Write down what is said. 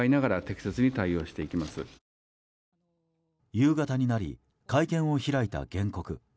夕方になり会見を開いた原告。